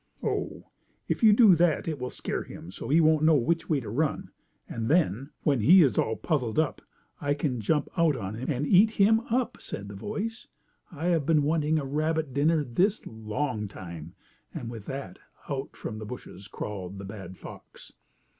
"Oh, if you do that it will scare him so that he won't know which way to run, and then, when he is all puzzled up, I can jump out on him and eat him up!" said the voice. "I have been wanting a rabbit dinner this long time," and with that out from the bushes crawled the bad fox.